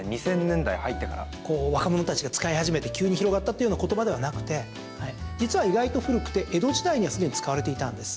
こう、若者たちが使い始めて急に広がったっていうような言葉ではなくて実は意外と古くて、江戸時代にはすでに使われていたんです。